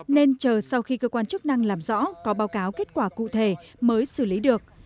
nên chờ sau khi cơ quan chức năng làm rõ có báo cáo kết quả cụ thể mới xử lý được